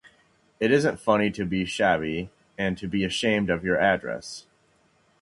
It isn't funny to be shabby and to be ashamed of your address.